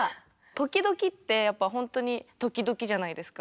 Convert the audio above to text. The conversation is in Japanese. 「ときどき」ってやっぱ本当に時々じゃないですか。